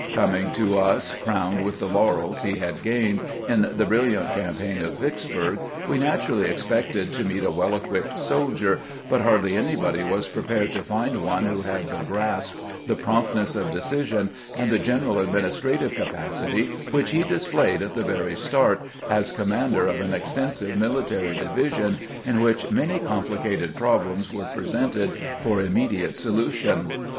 Coming to us crowned with the laurels he had gained in the briUiant campaign of Vicksburg, we naturally expected to meet a well equipped soldier, but hardly anybody was prepared to find one who had the grasp, the promptness of decision, and the general administrative capacity which he dis played at the very start as commander of an extensive military division, in which many complicated problems were presented for immediate solution.